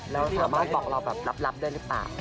เราสามารถบอกเราแบบลับได้หรือเปล่า